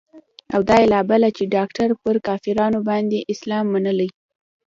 او دا يې لا بله چې ډاکتر پر کافرانو باندې اسلام منلى.